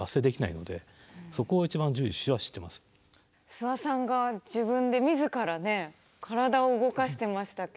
諏訪さんが自分で自らね体を動かしてましたけれど。